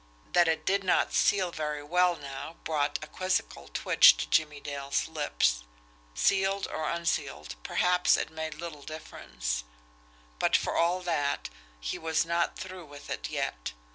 That it did not seal very well now brought a quizzical twitch to Jimmie Dale's lips. Sealed or unsealed, perhaps, it made little difference; but, for all that, he was not through with it yet.